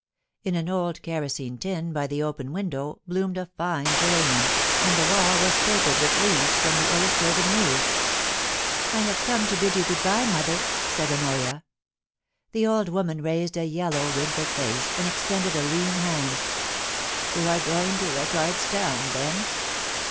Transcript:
In an old kerosine tin by the open 176 POUCY ASD PASSIOX. window bloomed a fine geranium, and the wall was papered with leaves from the IHustrated SeTti^ * I have come to bid you good bye, mother,' said Honoria. The old woman raised a yellow, wrinkled face, and ex tended a lean hand * You are going to Leichardt's Town, then.